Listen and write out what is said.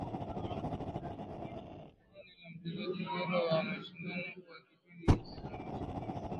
Jina la mchezaji bora wa mashindano kwa kipindi hicho cha mashindano